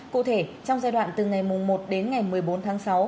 cụ thể trong giai đoạn từ ngày một đến ngày một mươi bốn tháng sáu